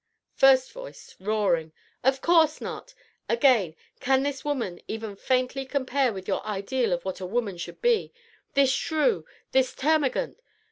FIRST VOICE (roaring). Of course not! Again, can this woman even faintly compare with your ideal of what a woman should be this shrew! this termagant!